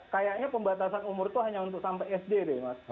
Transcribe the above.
kayaknya pembatasan umur itu hanya untuk sampai sd deh mas